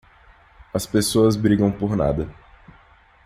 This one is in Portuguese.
As pessoas brigam por nada.